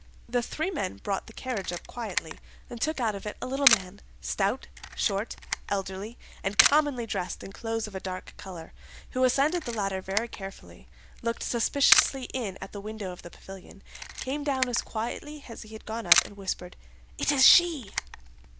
The three men brought the carriage up quietly, and took out of it a little man, stout, short, elderly, and commonly dressed in clothes of a dark color, who ascended the ladder very carefully, looked suspiciously in at the window of the pavilion, came down as quietly as he had gone up, and whispered, 'It is she!